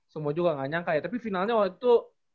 semua juga gak nyangka ya tapi finalnya waktu